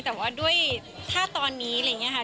แต่ว่าด้วยถ้าตอนนี้อะไรอย่างนี้ค่ะ